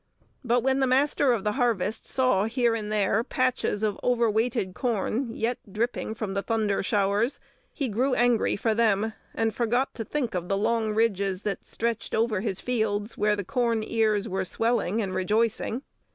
But when the Master of the Harvest saw here and there patches of overweighted corn yet dripping from the thunder showers, he grew angry for them, and forgot to think of the long ridges that stretched over his fields, where the corn ears were swelling and rejoicing.